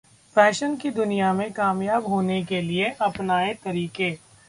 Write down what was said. fashion की दुनिया में कामयाब होने के लिए अपनाए तरीके